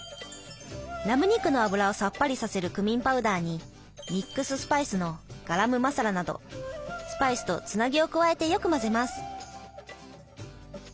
ラム肉の脂をさっぱりさせるクミンパウダーにミックススパイスのガラムマサラなどスパイスとつなぎを加えてよく混ぜます。